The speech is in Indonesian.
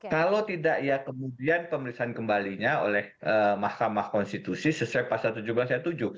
kalau tidak ya kemudian pemeriksaan kembalinya oleh mahkamah konstitusi sesuai pasal tujuh belas ayat tujuh